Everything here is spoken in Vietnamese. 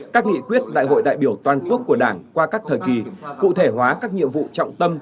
các nghị quyết đại hội đại biểu toàn quốc của đảng qua các thời kỳ cụ thể hóa các nhiệm vụ trọng tâm